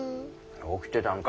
起きてたんか。